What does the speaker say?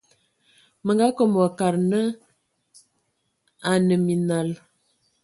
Mə nga kom wa kad nə a nə minal.